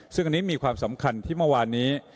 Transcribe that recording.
ซึ่งอันนี้มีความสำคัญที่เมื่อวานนี้